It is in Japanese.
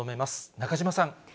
中島さん。